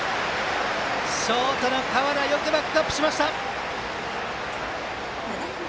ショートの河田がよくバックアップしました！